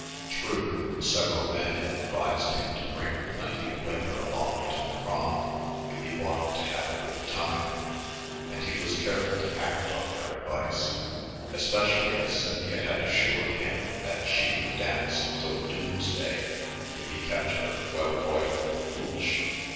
True, several men had advised him to bring plenty of liquor along to the Prom if he wanted to have a good time, and he was careful to act on their advice, especially as Cynthia had assured him that she would dance until doomsday if he kept her "well oiled with hooch."